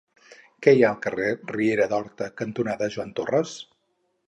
Què hi ha al carrer Riera d'Horta cantonada Joan Torras?